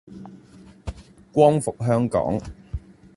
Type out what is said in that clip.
光復香港